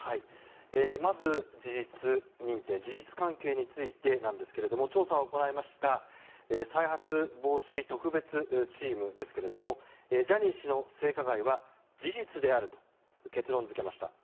まず事実関係についてなんですが調査を行いました再発防止特別チームですがジャニー氏の性加害は事実であると結論付けました。